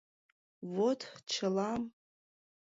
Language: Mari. — Вот чыла...